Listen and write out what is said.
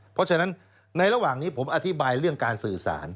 เพราะฉะนั้นในระหว่างนี้ผมอธิบายเรื่องการสื่อสาร